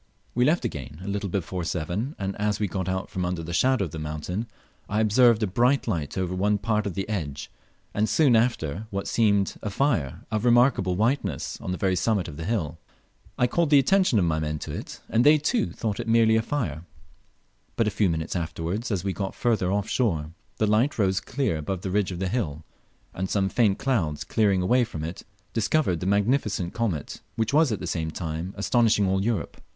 We left again a little before seven, and as we got out from the shadow of the mountain I observed a bright light over one part of the edge, and soon after, what seemed a fire of remarkable whiteness on the very summit of the hill. I called the attention of my men to it, and they too thought it merely a fire; but a few minutes afterwards, as we got farther off shore, the light rose clear up above the ridge of the hill, and some faint clouds clearing away from it, discovered the magnificent comet which was at the same time, astonishing all Europe.